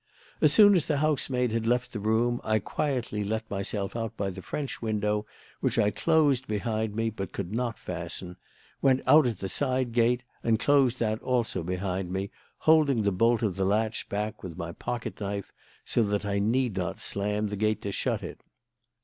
As soon as the housemaid had left the room I quietly let myself out by the French window, which I closed behind me but could not fasten, went out at the side gate and closed that also behind me, holding the bolt of the latch back with my pocket knife so that I need not slam the gate to shut it.